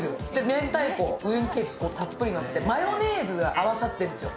めんたいこ、上に結構たっぷりのっててマヨネーズが合わさってるんですよ、